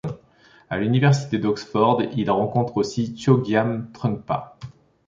À l'Université d'Oxford il rencontre aussi Chögyam Trungpa.